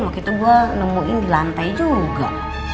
waktu itu gue nemuin di lantai juga